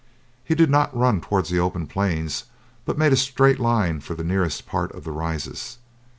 He did not run towards the open plains, but made a straight line for the nearest part of the Rises.